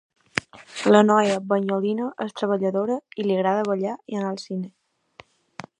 La noia banyolina és treballadora i li agrada ballar i anar al cine.